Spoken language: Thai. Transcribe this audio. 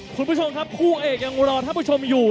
คุณผู้ชมครับคู่เอกยังรอท่านผู้ชมอยู่